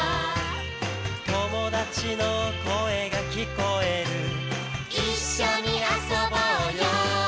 「友達の声が聞こえる」「一緒に遊ぼうよ」